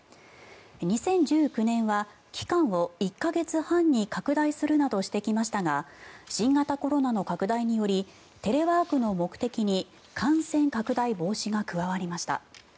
２０１９年は期間を１か月半に拡大するなどしてきましたが新型コロナの拡大によりテレワークの目的に感染拡大防止が加わりました。